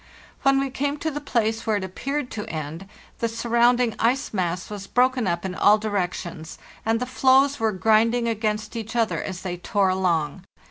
When we came to the place where it appeared to end, the surrounding ice mass was broken up in all directions, and the floes were grind ing against each other as they tore along.